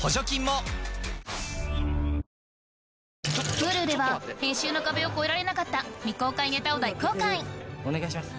Ｈｕｌｕでは編集の壁を越えられなかった未公開ネタを大公開お願いします。